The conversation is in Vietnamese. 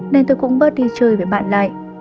nên tôi cũng bớt đi chơi với bạn lại